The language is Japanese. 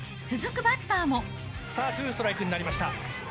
さあ、ツーストライクになりました。